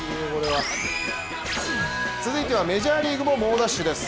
続いてはメジャーリーグも猛ダッシュです。